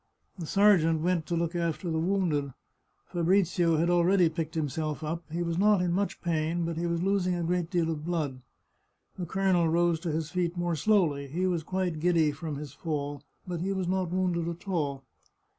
The sergeant went to look after the wounded. Fabrizio had already picked himself up ; he was not in much pain, but he was losing a great deal of blood. The colonel rose to his feet more slowly; he was quite giddy from his fall, but he was not wounded at all.